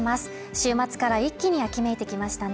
週末から一気に秋めいてきましたね